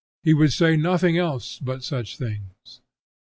He would say nothing else but such things.